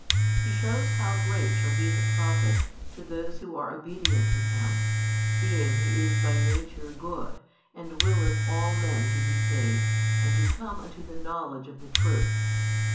He shews how great shall be the profit to those who are obedient to Him, seeing He is by Nature Good and willeth all men to be saved and to come unto the knowledge of the truth.